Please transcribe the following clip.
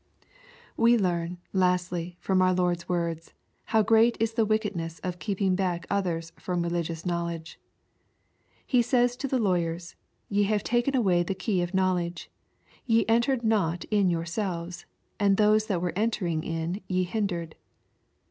We learn, lastly, from our Lord's words, hoto grecU is the wickedness of keeping back others from religious knowledge. He says to the lawyers, " Ye have taken away the key of knowledge : ye entered not in your selves, and those that were entering in ye hindered."